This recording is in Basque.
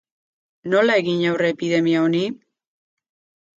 Nola egin aurre epidemia honi?